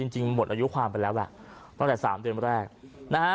จริงหมดอายุความไปแล้วแหละตั้งแต่๓เดือนแรกนะฮะ